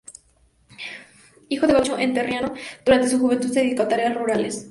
Hijo de un gaucho entrerriano, durante su juventud se dedicó a tareas rurales.